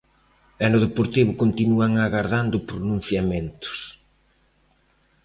E no Deportivo continúan agardando pronunciamentos.